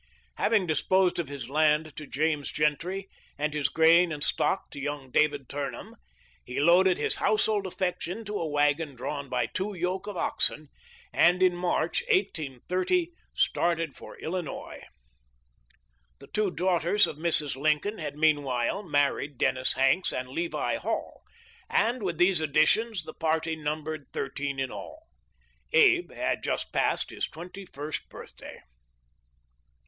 Having disposed of his land to James Gentry, and his grain and stock to young David Turnham, he loaded his household effects into a wagon drawn by two yoke of oxen, and in March, 1830, started for Illinois. The two daughters of Mrs. Lincoln had meanwhile married Dennis Hanks and Levi Hall, and with these additions the party numbered thir teen in all. Abe had just passed his twenty first birthday.